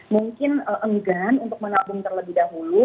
mungkin enggan untuk menabung terlebih dahulu